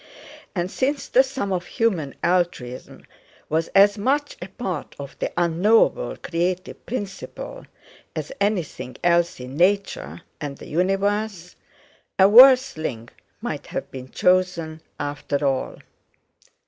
And since the Sum of human altruism was as much a part of the Unknowable Creative Principle as anything else in Nature and the Universe, a worse link might have been chosen after all!